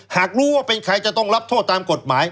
หากรู้ว่าเป็นใครจะต้องรับโทษตามกฎหมาย